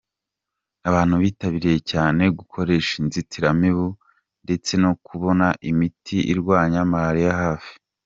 Abantu bitabiriye cyane gukoresha inzitiramibu ndetse no kubona imiti irwanya malaria hafi.